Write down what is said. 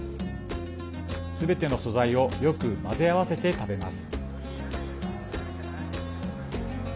すべての素材をよく混ぜ合わせて食べます。